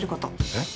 えっ？